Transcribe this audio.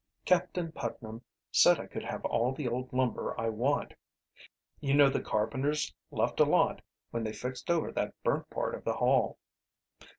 "Captain Putnam said I could have all the old lumber I want. You know the carpenters left a lot when they fixed over that burnt part of the Hall."